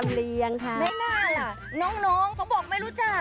แม่หน้าล่ะน้องก็บอกไม่รู้จัก